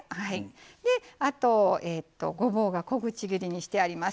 あと、ごぼうが小口切りにしてあります。